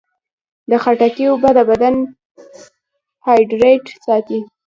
د خټکي اوبه د بدن هایډریټ ساتي.